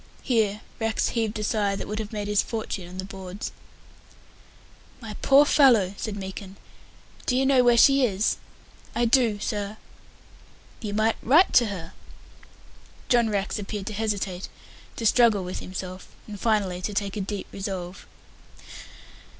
Here Rex heaved a sigh that would have made his fortune on the boards. "My poor fellow," said Meekin. "Do you know where she is?" "I do, sir." "You might write to her." John Rex appeared to hesitate, to struggle with himself, and finally to take a deep resolve.